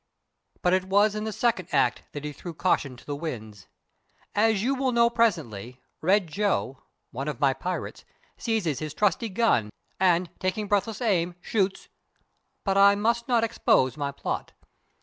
But it was in the second act that he threw caution to the winds. As you will know presently, Red Joe one of my pirates seizes his trusty gun and, taking breathless aim, shoots But I must not expose my plot.